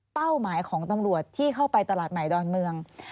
หมายของตำรวจที่เข้าไปตลาดใหม่ดอนเมือง